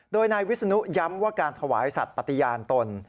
โดยนายวิศนุย้ำว่าการถวายสัตว์ปฏิญาณตน